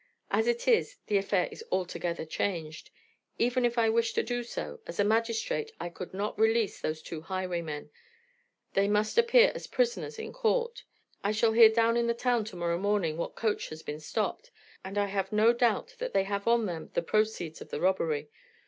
As it is, the affair is altogether changed. Even if I wished to do so, as a magistrate I could not release those two highwaymen; they must appear as prisoners in court. I shall hear down in the town tomorrow morning what coach has been stopped, and I have no doubt that they have on them the proceeds of the robbery.